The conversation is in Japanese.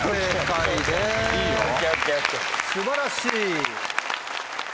素晴らしい。